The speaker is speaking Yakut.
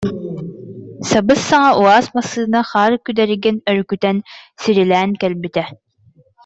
Сабыс-саҥа «УАЗ» массыына хаар күдэригин өрүкүтэн сирилээн кэл- битэ